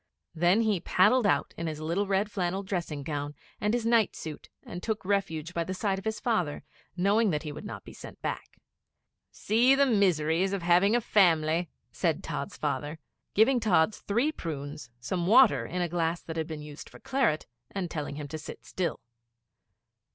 Then he paddled out in his little red flannel dressing gown and his night suit, and took refuge by the side of his father, knowing that he would not be sent back. 'See the miseries of having a family!' said Tods' father, giving Tods three prunes, some water in a glass that had been used for claret, and telling him to sit still.